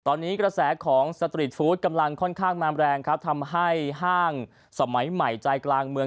ตอนนี้กระแสของสตรีทฟู้ดกำลังค่อนข้างมาแรงครับทำให้ห้างสมัยใหม่ใจกลางเมือง